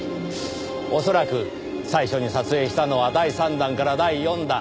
恐らく最初に撮影したのは第３弾から第４弾。